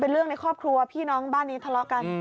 เรื่องในครอบครัวพี่น้องบ้านนี้ทะเลาะกัน